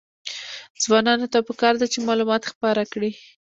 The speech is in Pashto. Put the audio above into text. ځوانانو ته پکار ده چې، معلومات خپاره کړي.